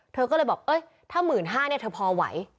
เธอก็เลยบอกถ้า๑๕๐๐เนี่ยเธอพอไหว